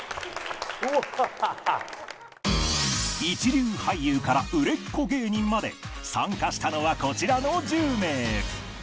［一流俳優から売れっ子芸人まで参加したのはこちらの１０名］